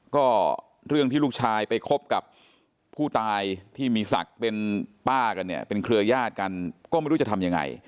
ก็เรื่องที่ลูกชายไปคบกับผู้ตายที่มีศักดิ์เป็นป้ากันเนี่ยเป็นเครือญาติกันก็ไม่รู้จะทำยังไง